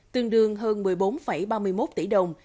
tương đương hơn một mươi bốn ba mươi một tỷ đồng